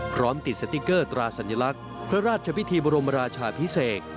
พร้อมติดสติ๊กเกอร์ตราสัญลักษณ์พระราชพิธีบรมราชาพิเศษ